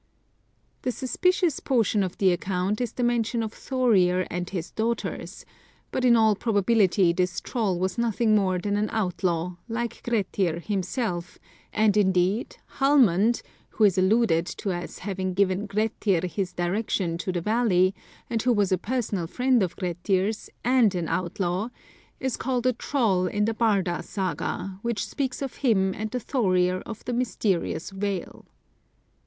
The suspicious portion of the account is the mention of Thorir and his daughters ; but in all probability this Troll was nothing more than an out law, like Grettir himself, and, indeed, Hallmund, who is alluded to as having given Grettir his direction to the valley, and who was a personal friend of Grettir's, and an outlaw, is called a Troll in the Barda Saga, which speaks of him and the Thorir of the mysterious vale.